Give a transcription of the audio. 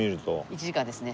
１時間ですね。